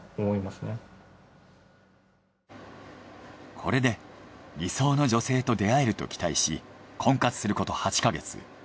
これで理想の女性と出会えると期待し婚活すること８か月。